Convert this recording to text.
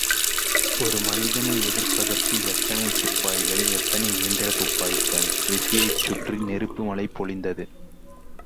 ஒரு மனிதனை எதிர்ப்பதற்கு எத்தனை சிப்பாய்கள் எத்தனை இயந்திரத்துப்பாக்கிகள் டிரீஸியைச் சுற்றி நெருப்பு மழை பொழிந்தது.